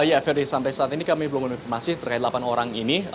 ya ferdi sampai saat ini kami belum memiliki informasi terkait delapan orang ini